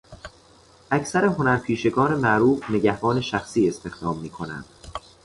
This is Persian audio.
اکثر هنرپیشگان معروف نگهبان شخصی استخدام میکنند.